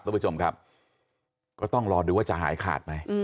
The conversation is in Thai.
ทุกผู้ชมครับก็ต้องรอดูว่าจะหายขาดไหม